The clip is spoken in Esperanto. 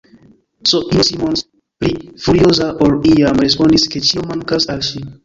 S-ino Simons, pli furioza ol iam, respondis, ke ĉio mankas al ŝi.